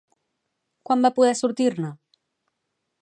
Quan va poder sortir-ne?